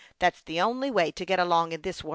That's the only way to get along in this world."